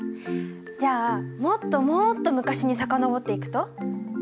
じゃあもっともっと昔に遡っていくと？